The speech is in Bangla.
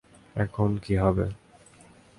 এখন কী হবে?